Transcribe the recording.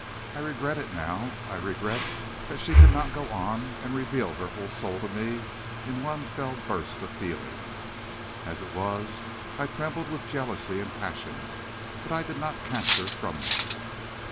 I regret it now. I regret that she did not go on and reveal her whole soul to me in one fell burst of feeling. As it was, I trembled with jealousy and passion, but I did not cast her from me.